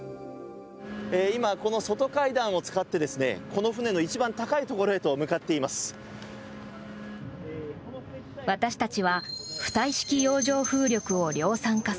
今、この外階段を使ってこの船の一番高いところへと向かっています。